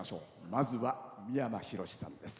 まずは三山ひろしさんです。